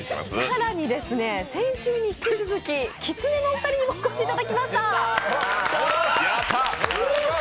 更に先週に引き続き、きつねのお二人にもお越しいただきました。